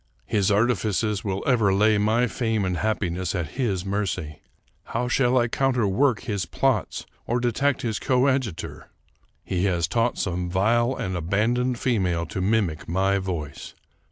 His artifices will ever lay my fame and hap piness at his mercy. How shall I counterwork his plots or detect his coadjutor? He has taught some vile and aban doned female to mimic my voice.